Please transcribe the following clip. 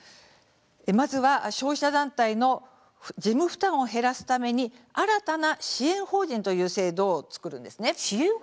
まずは消費者団体の事務負担を減らすために新たな支援法人という制度を作るんです。